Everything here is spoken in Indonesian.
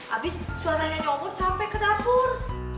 abis suaranya nyomot sampe ke dapur